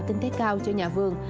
kinh tế cao cho nhà vườn